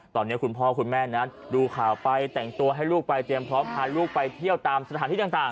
ตอนนี้คุณพ่อคุณแม่นั้นดูข่าวไปแต่งตัวให้ลูกไปเตรียมพร้อมพาลูกไปเที่ยวตามสถานที่ต่าง